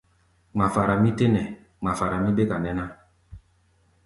Ŋmafara mí tɛ́ nɛ, ŋmafara mí béka nɛ́ ná.